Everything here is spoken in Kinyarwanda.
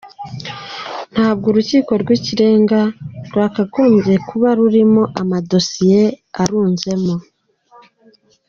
Ntabwo urukiko rw’ikirenga rwakagombye kuba rurimo amadosiye arunzemo.